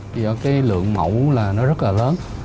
vì đó cái lượng mẫu là nó rất là lớn